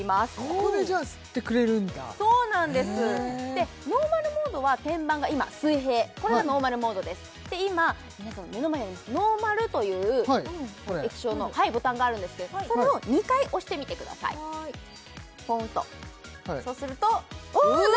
ここでじゃあ吸ってくれるんだそうなんですＮＯＲＭＡＬモードは天板が今水平これがＮＯＲＭＡＬモードですで今皆さんの目の前にありますＮＯＲＭＡＬという液晶のボタンがあるんですけどそれを２回押してみてくださいポンとそうするとお何？